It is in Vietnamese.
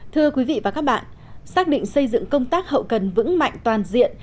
thưa quý vị và các bạn xác định xây dựng công tác hậu cần vững mạnh toàn diện